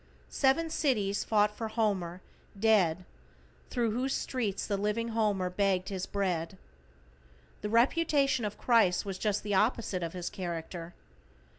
"Seven cities fought for Homer, dead, thru whose streets the living Homer begged his bread." The reputation of Christ was just the opposite of His character.